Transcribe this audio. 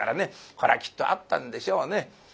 これはきっとあったんでしょうね。